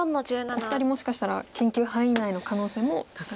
お二人もしかしたら研究範囲内の可能性も高い。